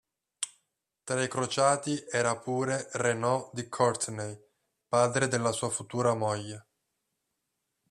Tra i crociati era pure Renaud di Courtenay, padre della sua futura moglie.